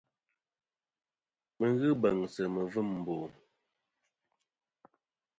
Mi ghɨ beŋsɨ mivim mbo.